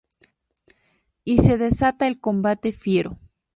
Y se desata el combate fiero.